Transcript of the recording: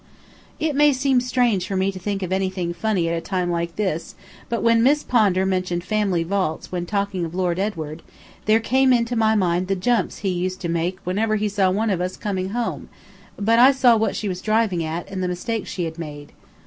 It may seem strange for me to think of anything funny at a time like this, but when Miss Pondar mentioned family vaults when talking of Lord Edward, there came into my mind the jumps he used to make whenever he saw any of us coming home; but I saw what she was driving at and the mistake she had made.